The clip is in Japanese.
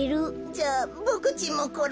じゃあボクちんもこれ。